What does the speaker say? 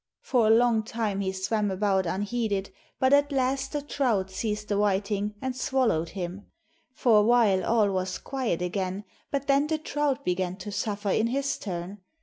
For a long time he swam about unheeded, but at last a trout seized the whiting and swallowed him. For a while all was quiet again, but then the trout began to suffer in his turn.